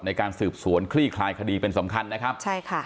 ในการสืบสวนคลี่คลายคดีเป็นสำคัญนะครับใช่ค่ะ